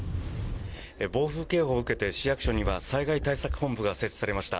暴風警報を受けて市役所には災害対策本部が設置されました。